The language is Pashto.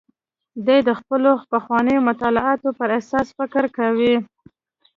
دی د خپلو پخوانیو مطالعاتو پر اساس فکر کوي.